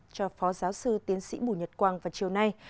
cho phó giáo sư tiến sĩ mù nhật quang vào chiều nay